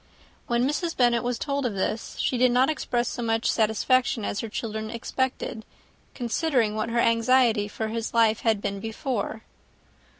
When Mrs. Bennet was told of this, she did not express so much satisfaction as her children expected, considering what her anxiety for his life had been before.